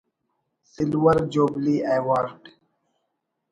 silver jubilee award